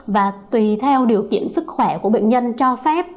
và tùy theo điều kiện sức khỏe của bệnh nhân cho phép